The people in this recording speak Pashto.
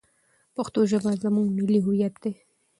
پښتو ژبه زموږ ملي هویت دی.